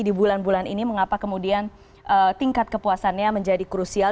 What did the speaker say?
dan bulan ini mengapa kemudian tingkat kepuasannya menjadi krusial